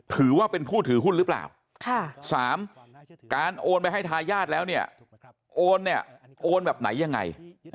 ถือว่าเป็นผู้ถือหุ้นหรือเปล่า๓การโอนไปให้ทายาทแล้วเนี่ยโอนเนี่ยโอนแบบไหนยังไง